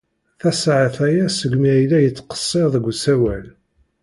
Tasaɛet aya seg mi ay la yettqeṣṣir deg usawal.